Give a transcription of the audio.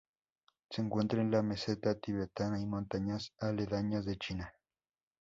Se encuentra en la meseta tibetana y montañas aledañas de China.